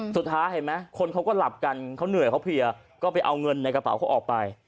สุดท้ายเห็นไหมคนเขาก็หลับกันเขาเหนื่อยเขาเพลียก็ไปเอาเงินในกระเป๋าเขาออกไป